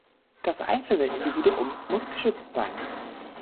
Das einzelne Individuum muss geschützt sein.